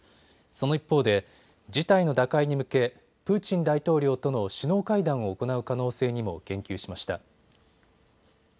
その一方で、事態の打開に向けプーチン大統領との首脳会談を行う可能性にも言及しました。